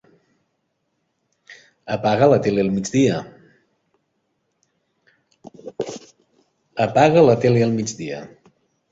Apaga la tele al migdia.